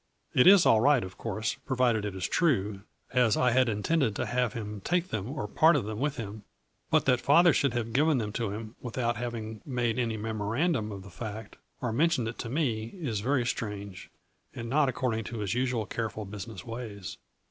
It is all right, of course, provided it is true, as I had intended to have him take them or part of them with him. But that father should have given them to him, without having made any A FLURRY IN DIAMONDS. 203 memorandum of the fact, or mentioned it to me, is very strange and not according to his usual careful business ways.